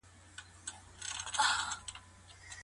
ځمکه د لمر چاپېره تاوېږي.